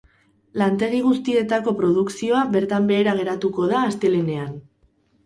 Lantegi guztietako produkzioa bertan behera geratuko da astelehenean.